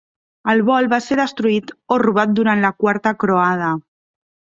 El bol va ser destruït o robat durant la Quarta Croada.